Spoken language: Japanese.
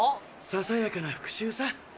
ささやかな復しゅうさ。